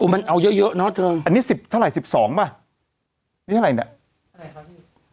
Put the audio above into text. มันเอาเยอะเยอะเนอะเธออันนี้สิบเท่าไรสิบสองป่ะนี่อะไรเนี้ย